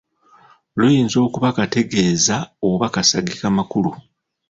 Luyinza okuba kategeeza oba kasagika makulu.